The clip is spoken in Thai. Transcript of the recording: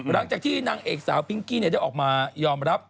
หลังจากที่นางเอกสาวพิ้งกี้ได้ออกมายอมรับ